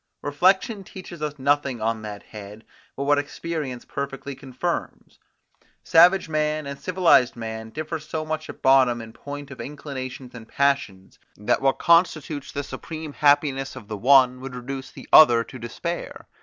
Reflection teaches us nothing on that head, but what experience perfectly confirms. Savage man and civilised man differ so much at bottom in point of inclinations and passions, that what constitutes the supreme happiness of the one would reduce the other to despair.